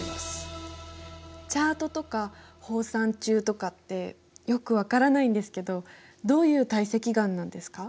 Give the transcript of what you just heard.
チャートとかホーサンチューとかってよく分からないんですけどどういう堆積岩なんですか？